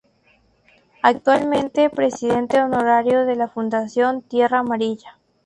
Actualmente, presidente honorario de la Fundación Tierra Amarilla.